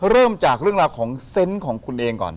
เริ่มจากเรื่องราวของเซนต์ของคุณเองก่อน